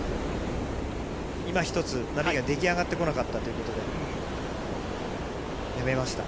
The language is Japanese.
今一つ、波が出来上がってこなかったということでやめました。